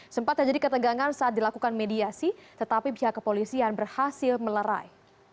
sempat terjadi ketegangan saat dilakukan mediasi tetapi pihak kepolisian berhasil melerai